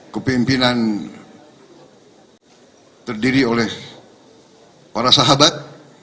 kepimpinan terdiri oleh para sahabat